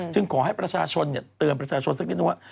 ขอให้ประชาชนเตือนประชาชนสักนิดนึงว่า